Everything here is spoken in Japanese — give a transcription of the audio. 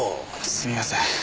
すみません。